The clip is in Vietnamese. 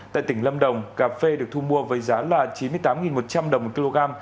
tại tỉnh lâm đồng cà phê được thu mua với giá là chín mươi tám một trăm linh đồng một kg